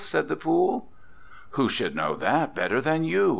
said the pool. '"Who should know that better than you?'